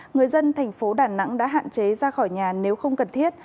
người dân thành phố đà nẵng đã hạn chế ra khỏi nhà nếu không cần thiết